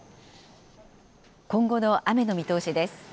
今後の雨の見通しです。